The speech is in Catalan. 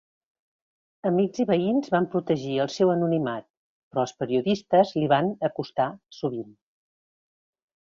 Amics i veïns van protegir el seu anonimat, però els periodistes li van acostar sovint.